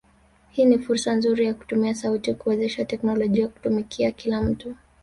hii ni fursa nzuri ya kutumia sauti kuwezesha teknolojia kutumikia kila mtu.